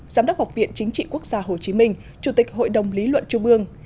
giám đốc học viện chính trị quốc gia hồ chí minh chủ tịch hội đồng lý luận trung ương